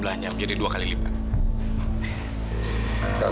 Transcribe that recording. saya enggak mau bunuh